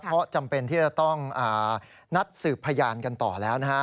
เพราะจำเป็นที่จะต้องนัดสืบพยานกันต่อแล้วนะฮะ